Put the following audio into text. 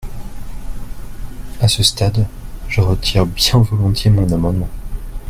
À ce stade, je retire bien volontiers mon amendement.